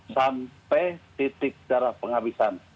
sampai titik jarak penghabisan